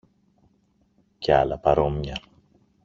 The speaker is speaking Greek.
και άλλα παρόμοια.